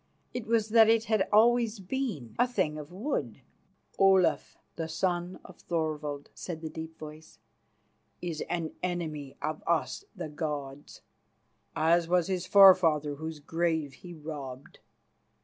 It was what it had always been a thing of wood. "Olaf, the son of Thorvald," said the deep voice, "is an enemy of us the gods, as was his forefather whose grave he robbed.